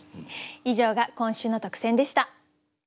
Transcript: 以上が今週の特選でした。